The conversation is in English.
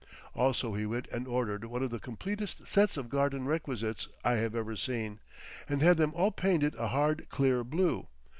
Also he went and ordered one of the completest sets of garden requisites I have ever seen—and had them all painted a hard clear blue.